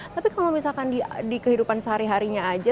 tapi kalau misalkan di kehidupan sehari harinya aja